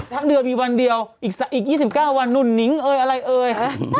ทั้งเดือนมีวันเดียวอีก๒๙วันหนุ่นนิ้งเอ่ยอะไรเอ่ยฮะ